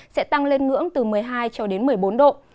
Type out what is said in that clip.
sẽ tăng lên ngưỡng từ một mươi hai cho đến một mươi bốn độ